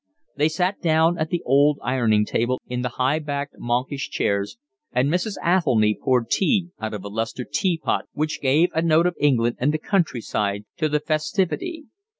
They sat down at the old ironing table in the high backed monkish chairs, and Mrs. Athelny poured tea out of a lustre teapot which gave a note of England and the country side to the festivity.